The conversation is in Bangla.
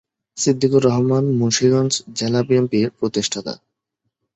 সিদ্দিকুর রহমান মুন্সিগঞ্জ জেলা বিএনপির প্রতিষ্ঠাতা।